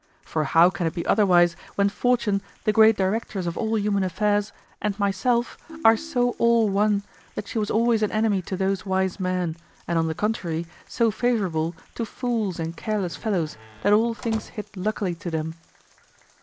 For how can it be otherwise when Fortune, the great directress of all human affairs, and myself are so all one that she was always an enemy to those wise men, and on the contrary so favorable to fools and careless fellows that all things hit luckily to them?